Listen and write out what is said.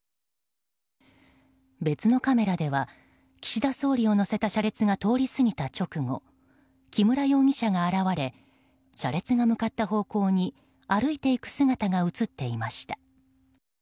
別のカメラでは岸田総理を乗せた車列が通り過ぎた直後木村容疑者が現れ車列が向かった方向に歩いていく姿が映っていました。